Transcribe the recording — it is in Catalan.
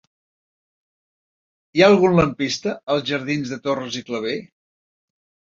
Hi ha algun lampista als jardins de Torres i Clavé?